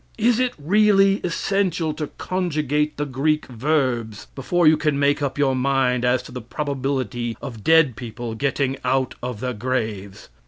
Is it really essential to conjugate the Greek verbs before you can make up your mind as to the probability of dead people getting out of their graves?